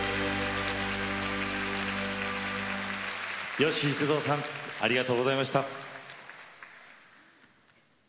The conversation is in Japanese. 吉幾三さんありがとうございました。